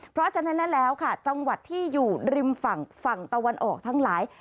เพราะฉะนั้นแล้วค่ะจังหวัดที่อยู่ริมฝั่งฝั่งตะวันออกทั้งหลาย